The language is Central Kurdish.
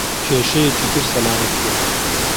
کێشەیەکی تر سەلامەتییە.